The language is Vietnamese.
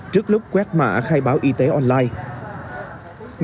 trước lúc quét mạ khai báo y tế online